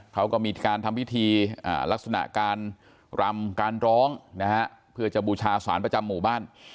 เขาก็มีการทำพิธีลักษณะการรำการร้องนะฮะเพื่อจะบูชาสารประจำหมู่บ้าน